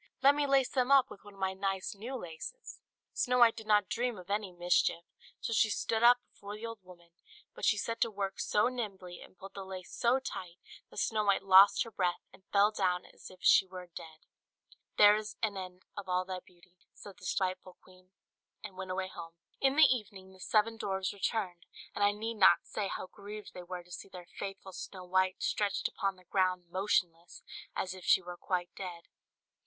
Let me lace them up with one of my nice new laces." Snow White did not dream of any mischief; so she stood up before the old woman; but she set to work so nimbly, and pulled the lace so tight, that Snow White lost her breath, and fell down as if she were dead. "There's an end of all thy beauty," said the spiteful queen, and went away home. [Illustration: "'THERE'S AN END TO ALL THY BEAUTY' SAID THE SPITEFUL QUEEN, AND SHE WENT AWAY HOME."] In the evening the seven dwarfs returned; and I need not say how grieved they were to see their faithful Snow White stretched upon the ground motionless, as if she were quite dead.